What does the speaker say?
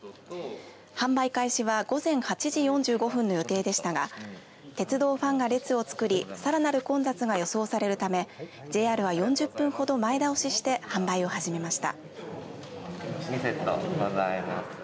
販売開始は午前８時４５分の予定でしたが鉄道ファンが列を作りさらなる混雑が予想されるためＪＲは４０分ほど前倒しして販売を始めました。